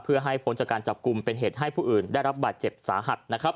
เพื่อให้พ้นจากการจับกลุ่มเป็นเหตุให้ผู้อื่นได้รับบาดเจ็บสาหัสนะครับ